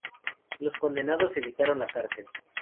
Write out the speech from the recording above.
Los condenados evitaron la cárcel.